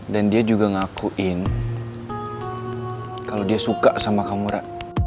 dan dia juga ngakuin kalau dia suka sama kamu rara